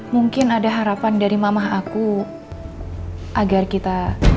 mungkin ada harapan dari mamah aku agar kita